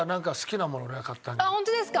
あっホントですか？